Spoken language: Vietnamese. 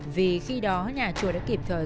vì khi đó nhà chùa đã kịp thời